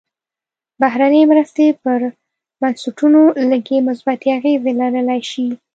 بهرنۍ مرستې پر بنسټونو لږې مثبتې اغېزې لرلی شي.